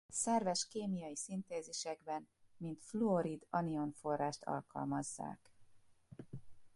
Szerves kémiai szintézisekben mint fluorid anion forrást alkalmazzák.